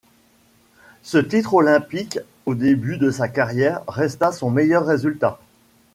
Ce titre olympique au début de sa carrière resta son meilleur résultat.